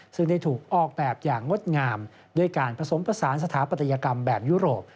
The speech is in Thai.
ซึ่งได้ถูกออกแบบอย่างงดงามด้วยการผสมผสานสถาปัตยกรรมแบบยุโรป